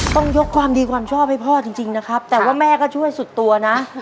ต้องยกความดีความชอบให้พ่อจริงนะครับแต่ว่าแม่ก็ช่วยสุดตัวนะ